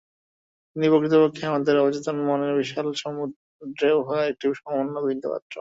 কিন্তু প্রকৃতপক্ষে আমাদের অবচেতন মনের বিশাল সমুদ্রে উহা একটি সামান্য বিন্দুমাত্র।